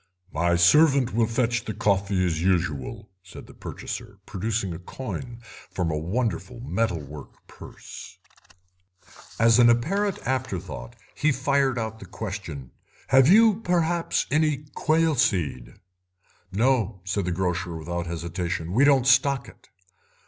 "My servant will fetch the coffee as usual," said the purchaser, producing a coin from a wonderful metal work purse. As an apparent afterthought he fired out the question: "Have you, perhaps, any quail seed?" "No," said the grocer, without hesitation, "we don't stock it."